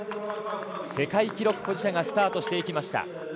世界記録保持者がスタートしていきました。